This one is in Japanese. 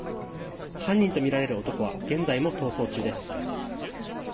犯人とみられる男は現在も逃走中です。